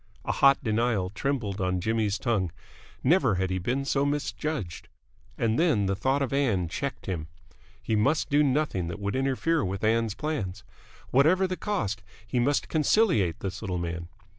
A hot denial trembled on Jimmy's tongue. Never had he been so misjudged. And then the thought of Ann checked him. He must do nothing that would interfere with Ann's plans. Whatever the cost, he must conciliate this little man.